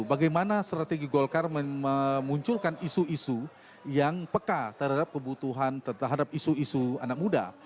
bagaimana strategi golkar memunculkan isu isu yang peka terhadap kebutuhan terhadap isu isu anak muda